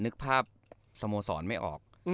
นึกภาพสโมสรไม่ออก